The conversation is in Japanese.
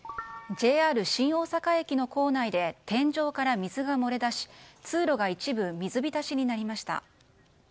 ＪＲ新大阪駅の構内で天井から水が漏れ出し通路が一部水浸しになりました。